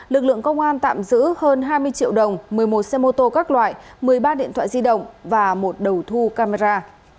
lực lượng công an tạm giữ hơn hai mươi triệu đồng một mươi một xe mô tô các loại một mươi ba điện thoại di động và một đầu thu camera